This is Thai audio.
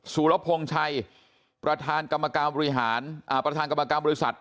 สุรพงศ์ชัยประธานกรรมการบริหารประธานกรรมการบริษัท